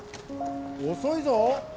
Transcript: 遅いぞ。